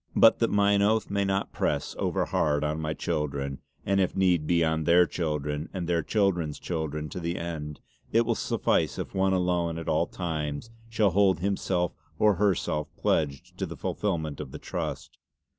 But that mine oath may not press overhard on my children, and if need be on their children and their children's children to the end, it will suffice if one alone at all times shall hold himself or herself pledged to the fullfillment of the Trust.